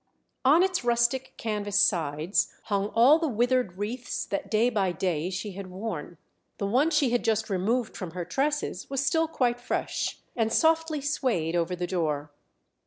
On its rustic canvas sides hung all the withered wreaths that day by day she had worn. The one she had just removed from her tresses was still quite fresh, and softly swayed over the door.